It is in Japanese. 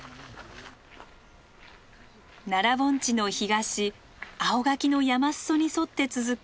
奈良盆地の東青垣の山裾に沿って続く